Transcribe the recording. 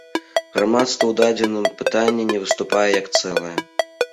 Грамадства ў дадзеным пытанні не выступае як цэлае.